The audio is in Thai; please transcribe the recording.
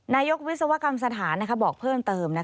นายกวิศวกรรมสถานบอกเพิ่มเติม